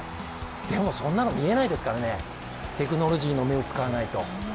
でもそんなの見えないですからね、テクノロジーの目を使わないと。